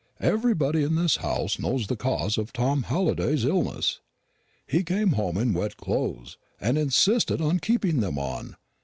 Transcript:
Everybody in this house knows the cause of Tom Halliday's illness. He came home in wet clothes, and insisted on keeping them on.